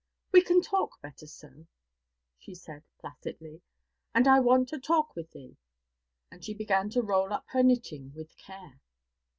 'We can talk better so,' she said placidly, 'and I want to talk with thee.' And she began to roll up her knitting with care.